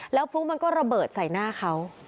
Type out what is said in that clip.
แล้วพลุมันก็ระเบิดใส่หน้าเขา